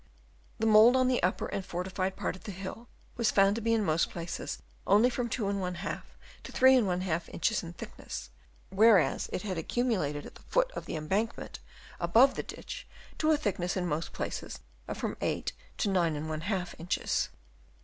The mould on the upper and fortified part of the hill was found to be in most places only from 2^ to 3^ inches in thickness ; whereas it had accumulated at the foot of the embankment above the ditch to a thickness in most places of from 8 to 9| inches.